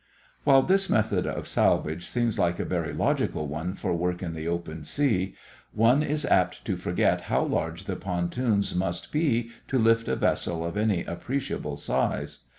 While this method of salvage seems like a very logical one for work in the open sea, one is apt to forget how large the pontoons must be to lift a vessel of any appreciable size.